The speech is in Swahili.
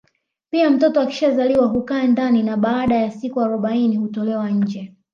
Pia mtoto akishazaliwa hukaa ndani na baada ya siku arobaini hutolewa nje